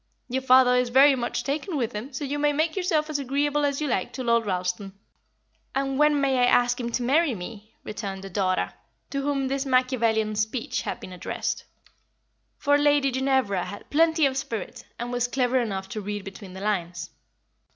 Your father is very much taken with him, so you may make yourself as agreeable as you like to Lord Ralston." "And when may I ask him to marry me?" returned the daughter, to whom this Machiavellian speech had been addressed; for Lady Ginevra had plenty of spirit, and was clever enough to read between the lines.